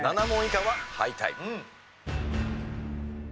７問以下は敗退。